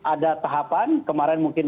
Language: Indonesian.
ada tahapan kemarin mungkin